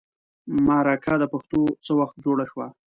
مرکه د پښتو څه وخت جوړه شوه.